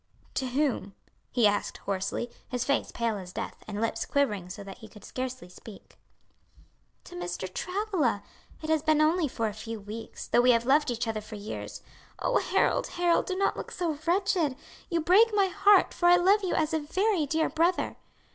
To whom?" he asked hoarsely, his face pale as death, and lips quivering so that he could scarcely speak. "To Mr. Travilla. It has been only for a few weeks, though we have loved each other for years. Oh, Harold, Harold, do not look so wretched! you break my heart, for I love you as a very dear brother."